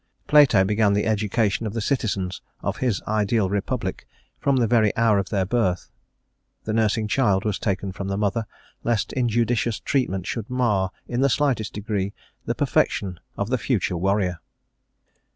Plato began the education of the citizens of his ideal Republic from the very hour of their birth; the nursing child was taken from the mother lest injudicious treatment should mar, in the slightest degree, the perfection of the future warrior.